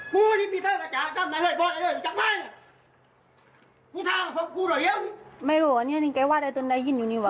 ก็ไม่รู้ว่าเนี้ยนี่ใครว่าเนี้ยต้องได้ยินอยู่นี่ว่า